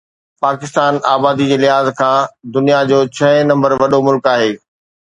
پاڪستان آبادي جي لحاظ کان دنيا جو ڇهين نمبر وڏو ملڪ آهي